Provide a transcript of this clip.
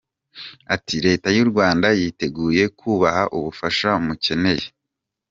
Ati: “Leta y’u Rwanda yiteguye kubaha ubufasha mukeneye.